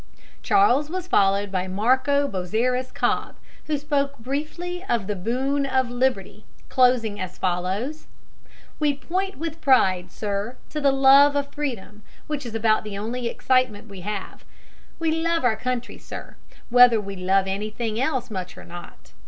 Charles was followed by Marco Bozzaris Cobb, who spoke briefly of the boon of liberty, closing as follows: "We point with pride, sir, to the love of freedom, which is about the only excitement we have. We love our country, sir, whether we love anything else much or not.